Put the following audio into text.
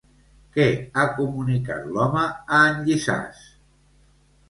Què ha comunicat l'home a en Llissàs?